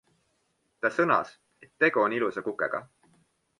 Ta sõnas, et tegu on ilusa kukega.